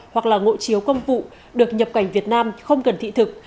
hoặc là ngộ chiếu công vụ được nhập cảnh việt nam không cần thị thực